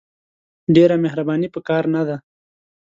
ډېره مهرباني په کار نه ده !